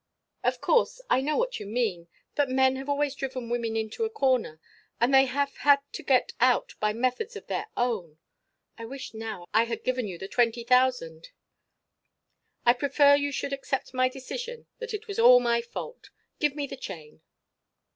"Of course I know what you mean but men have always driven women into a corner, and they have had to get out by methods of their own. I wish now I had given you the twenty thousand. I prefer you should accept my decision that it was all my fault. Give me the chain."